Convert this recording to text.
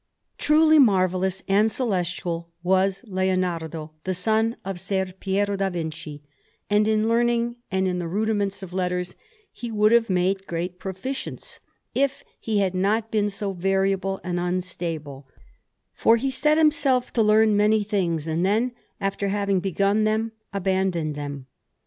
Truly marvellous and celestial was Leonardo, the son of Ser Piero da Vinci; and in learning and in the rudiments of letters he would have made great proficience, if he had not been so variable and unstable, for he set himself to learn many things, and then, after having begun them, abandoned them.